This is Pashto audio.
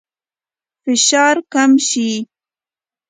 فشار کم شي.